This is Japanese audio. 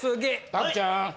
拓ちゃん。